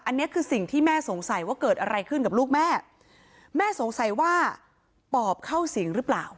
อันนี้คือสิ่งที่แม่สงสัยว่าเกิดอะไรขึ้นกับลูกแม่แม่สงสัยว่าปอบเข้าสิงหรือเปล่า